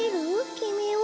きみを？